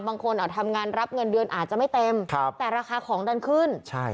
บางคนทำงานรับเงินเดือนอาจจะไม่เต็มแต่ราคาของดันขึ้นใช่